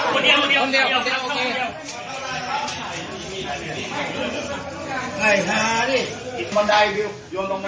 คนเดียว